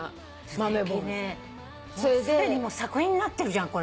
すでに作品になってるじゃん。